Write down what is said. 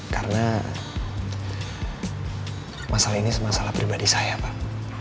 karena masalah ini masalah pribadi saya pak